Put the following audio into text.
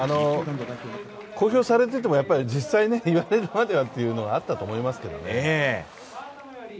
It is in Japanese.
公表されてても実際に言われるまではというのがあったと思いますけどね。